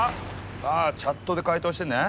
さあチャットで解答してね。